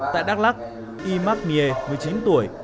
tại đắk lắc y mak nghê một mươi chín tuổi